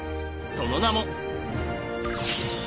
その名も。